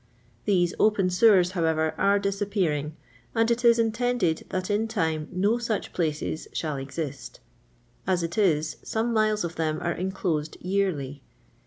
These open sewers, however, are disappearing, and it is intended that in time no such place* shall exist ; as it is, some miles of them are in closed yearly.